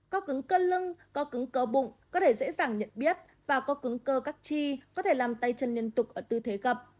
co cứng cơ lưng co cứng cơ bụng có thể dễ dàng nhận biết và co cứng cơ các chi có thể làm tay chân liên tục ở tư thế gập